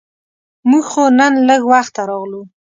مونږ خو نن لږ وخته راغلو.